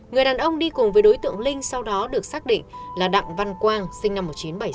người đàn ông đi cùng với đối tượng linh sau đó được xác định là đặng văn quang sinh năm một nghìn chín trăm bảy mươi sáu